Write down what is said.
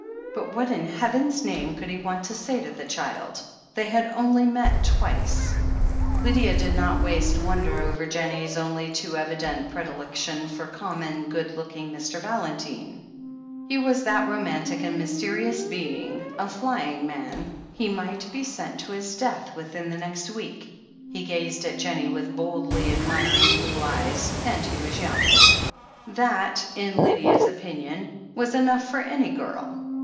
But what in Heaven's name could he want to say to the child — ^they had only met twice ! Lydia did not waste wonder over Jennie's only too evident predilection for common, good looking Mr. Valentine. He was that romantic and mysterious being, a flying man — ^he might be sent to his death within the next THE HEEL OF ACHILLES 385 week — ^he gazed at Jennie with boldly admiring blue eyes — ^and he was young. That, in Lydia's opinion, was enough for any girl.